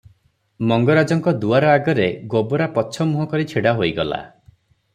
ମଙ୍ଗରାଜଙ୍କ ଦୁଆର ଆଗରେ ଗୋବରା ପଛମୁହଁ କରି ଛିଡ଼ା ହୋଇଗଲା ।